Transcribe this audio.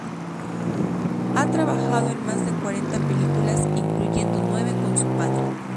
Ha trabajado en más de cuarenta películas, incluyendo nueve con su padre.